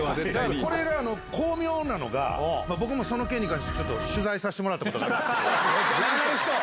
これが巧妙なのが、僕もその件に関して、ちょっと、取材させてもらったことがあって。